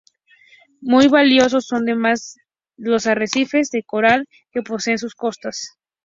Muy valiosos son además los arrecifes de coral que posee en sus costas.